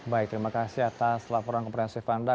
baik terima kasih atas laporan komprehensif anda